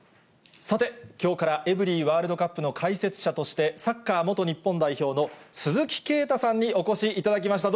さて、きょうからエブリィワールドカップの解説者として、サッカー元日本代表の鈴木啓太さんにお越しいただきました。